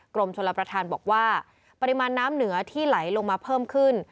กรมชลประธานบอกว่าปริมาณน้ำเหนือที่ไหลลงมาเพิ่มขึ้น